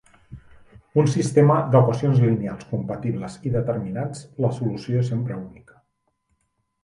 Un sistema d'equacions lineals compatibles i determinats la solució és sempre única.